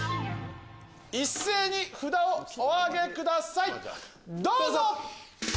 一斉に札をお挙げくださいどうぞ！